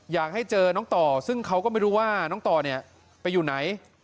อยากให้เจอน้องต่อซึ่งเขาก็ไม่รู้ว่าน้องต่อเนี่ยไปอยู่ไหน